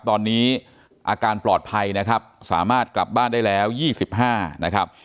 ตอนนี้อาการปลอดภัยนะครับสามารถกลับบ้านได้แล้ว๒๕นะครับ